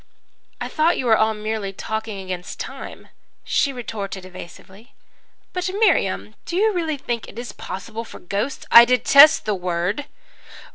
"'I thought you were all merely talking against time,' she retorted evasively. "'But, Miriam, do you really think it is possible for ghosts ' "'I detest that word!'